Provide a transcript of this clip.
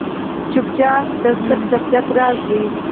چوپتیا، د ستر شخصیت راز دی.